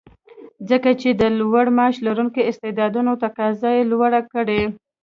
ځکه چې د لوړ معاش لرونکو استعدادونو تقاضا یې لوړه کړې